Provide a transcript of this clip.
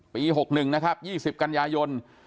ปี๖๑นะครับ๒๐กัญญายน